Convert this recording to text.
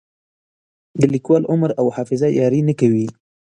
د لیکوال عمر او حافظه یاري نه کوي.